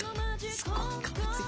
すごいかぶりついた。